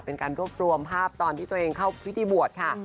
เป็นการรวบรวมภาพตอนที่ตัวเองเข้าพิธีบวชค่ะ